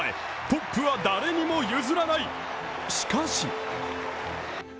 トップは誰にも譲らない。